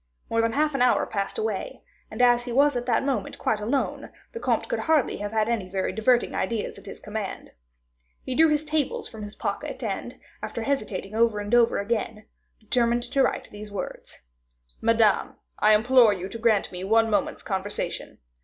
More than half an hour passed away; and as he was at that moment quite alone, the comte could hardly have had any very diverting ideas at his command. He drew his tables from his pocket, and, after hesitating over and over again, determined to write these words: "Madame, I implore you to grant me one moment's conversation.